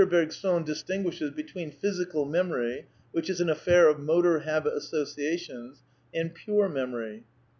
Bergson distin guishes between physical memory, which is an affair of motor habit associations, and "pure" memory.